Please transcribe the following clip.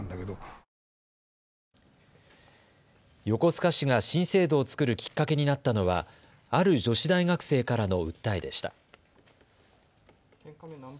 横須賀市が新制度を作るきっかけになったのはある女子大学生からの訴えでした。